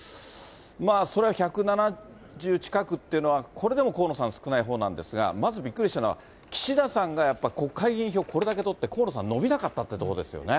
まあ、それは１７０近くっていうのは、これでも河野さん、少ないほうなんですが、まずびっくりしたのは、岸田さんがやっぱ国会議員票これだけ取って、河野さん伸びなかったというところですよね。